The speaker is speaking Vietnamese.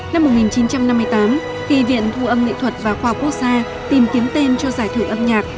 năm một nghìn chín trăm năm mươi tám khi viện thu âm nghệ thuật và khoa quốc gia tìm kiếm tên cho giải thưởng âm nhạc